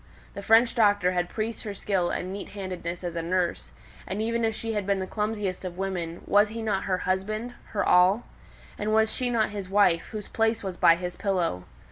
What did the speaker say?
The French doctor had praised her skill and neat handedness as a nurse, and even if she had been the clumsiest of women, was he not her husband her all? And was she not his wife, whose place was by his pillow?